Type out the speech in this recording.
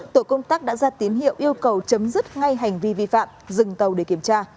tổ công tác đã ra tín hiệu yêu cầu chấm dứt ngay hành vi vi phạm dừng tàu để kiểm tra